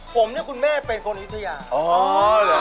ผมเนี่ยคุณแม่เป็นคนอยุธยา